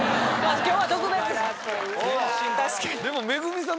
今日は特別です。